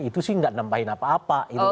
itu sih tidak menambahkan apa apa